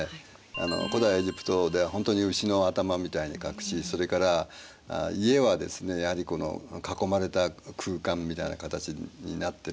古代エジプトではほんとに牛の頭みたいに書くしそれから家はですねやはり囲まれた空間みたいな形になってる。